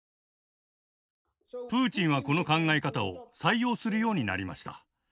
プーチンはこの考え方を採用するようになりました。